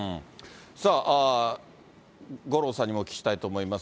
さあ、五郎さんにもお聞きしたいと思います。